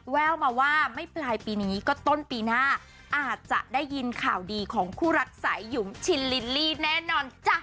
แววมาว่าไม่ปลายปีนี้ก็ต้นปีหน้าอาจจะได้ยินข่าวดีของคู่รักสายหยุมชินลิลลี่แน่นอนจ้ะ